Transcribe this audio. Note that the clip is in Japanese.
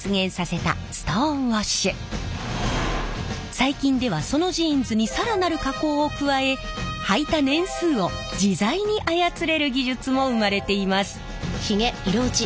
最近ではそのジーンズに更なる加工を加えはいた年数を自在に操れる技術も生まれています。